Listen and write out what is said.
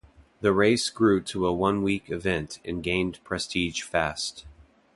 The race grew to a one-week event and gained prestige fast.